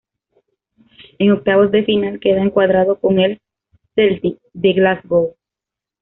En octavos de final queda encuadrado con el Celtic de Glasgow.